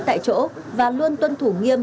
tại chỗ và luôn tuân thủ nghiêm